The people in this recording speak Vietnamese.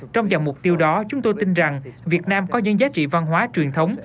trong dòng mục tiêu đó chúng tôi tin rằng việt nam có những giá trị văn hóa truyền thống